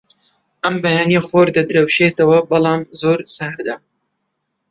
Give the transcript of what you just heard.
ئەم بەیانییە خۆر دەدرەوشێتەوە، بەڵام زۆر ساردە.